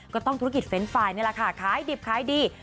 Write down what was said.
ก็ต้องธุรกิจเฟนต์ฟายนี่ล่ะค่ะคล้ายดิบคล้ายดี